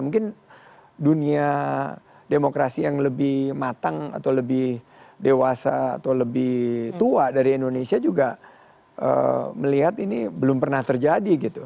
mungkin dunia demokrasi yang lebih matang atau lebih dewasa atau lebih tua dari indonesia juga melihat ini belum pernah terjadi gitu